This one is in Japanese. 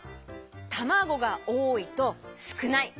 たまごがおおいとすくない。